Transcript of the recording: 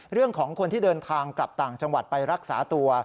เรื่องของคนที่เดินทางกลับต่างจังหวัดไปรักษาตัว